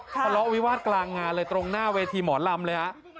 ทะเลาะวิวาสกลางงานเลยตรงหน้าเวทีหมอลำเลยฮะ